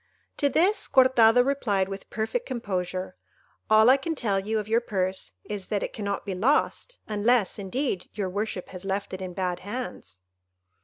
To this Cortado replied with perfect composure, "All I can tell you of your purse is, that it cannot be lost, unless, indeed, your worship has left it in bad hands."